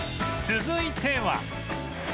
続いては